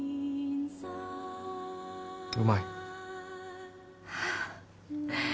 うまい。